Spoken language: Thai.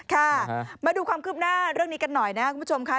ค่ะมาดูความคืบหน้าเรื่องนี้กันหน่อยนะครับคุณผู้ชมค่ะ